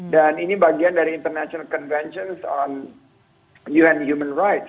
dan ini bagian dari perjanjian internasional tentang hak hak manusia